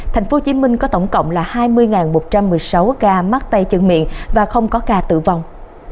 tp hcm có tổng cộng là hai mươi một trăm một mươi sáu ca mắc tay chân miệng và không có ca tử vong